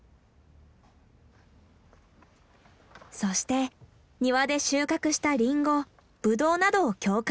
そして庭で収穫したリンゴブドウなどを教会に飾る。